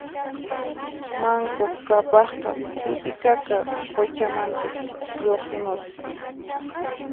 Manku Qhapaqqa Titiqaqa quchamantas lluqsimusqa